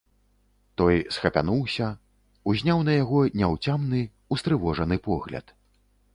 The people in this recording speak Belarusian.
Той схапянуўся, узняў на яго няўцямны, устрывожаны погляд.